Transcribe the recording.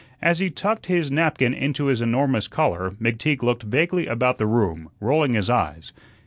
As he tucked his napkin into his enormous collar, McTeague looked vaguely about the room, rolling his eyes.